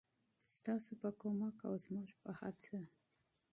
ستاسو په مرسته او زموږ په هڅه.